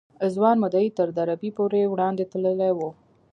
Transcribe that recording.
ځوان مدعي تر دربي پورې وړاندې تللی و.